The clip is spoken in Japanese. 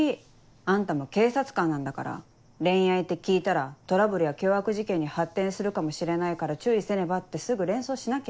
あんたも警察官なんだから恋愛って聞いたらトラブルや凶悪事件に発展するかもしれないから注意せねばってすぐ連想しなきゃ。